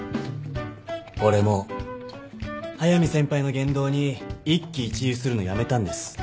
俺もう速見先輩の言動に一喜一憂するのやめたんです。